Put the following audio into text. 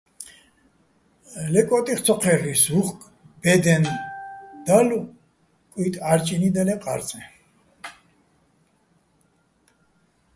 ლე კო́ტიხ ცო ჴე́რლ'ისო̆, უ̂ხკ ბე́დეჼ დალო̆, კუჲტი ჺარჭინი́ და ლე ყა́რწეჼ.